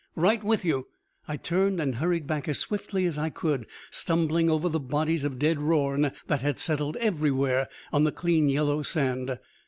"Right with you!" I turned and hurried back as swiftly as I could, stumbling over the bodies of dead Rorn that had settled everywhere on the clean yellow sand.